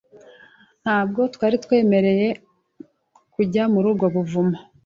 Ntabwo twari twemerewe kujya muri ubwo buvumo .